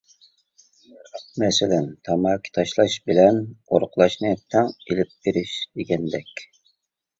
مەسىلەن، تاماكا تاشلاش بىلەن ئورۇقلاشنى تەڭ ئېلىپ بېرىش دېگەندەك.